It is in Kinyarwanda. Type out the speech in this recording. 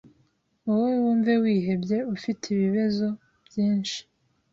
Wowe wumve wihebye ufite ibibezo byinshi